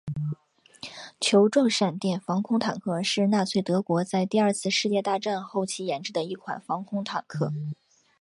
球状闪电防空坦克是纳粹德国在第二次世界大战后期研制的一款防空坦克。